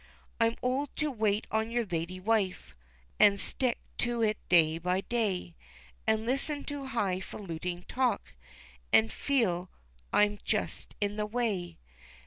I'm old to wait on your lady wife, An' stick to it day by day, An' listen to high falutin' talk, An' feel I'm just in the way.